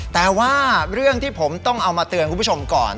แต่ว่าเรื่องที่ผมต้องเอามาเตือนคุณผู้ชมก่อน